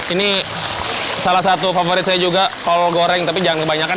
ini salah satu favorit saya juga kol goreng tapi jangan kebanyakan